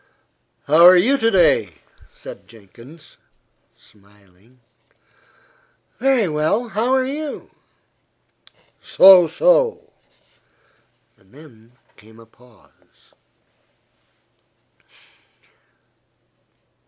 "How are you to day?" said Jenkins, smiling. "Very well. How are you?" "So, so." Then came a pause.